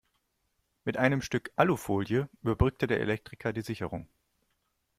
Mit einem Stück Alufolie überbrückte der Elektriker die Sicherung.